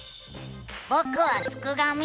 ぼくはすくがミ。